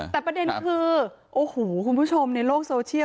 แต่ประเด็นคือโอ้โหคุณผู้ชมในโลกโซเชียล